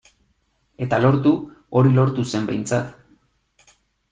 Eta lortu, hori lortu zen behintzat.